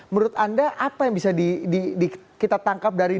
menurut anda apa yang bisa kita tangkap dari